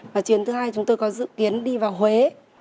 và chuyến thứ hai chúng tôi có dự kiến đi vào huế